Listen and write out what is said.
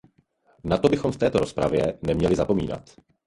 Na to bychom v této rozpravě neměli zapomínat.